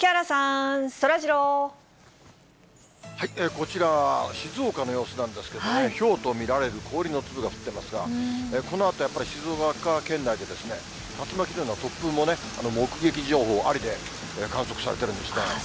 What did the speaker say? こちらは静岡の様子なんですけれどもね、ひょうと見られる氷の粒が降ってますが、このあとやっぱり静岡県内で竜巻のような突風もね、目撃情報ありで、観測されてるんですね。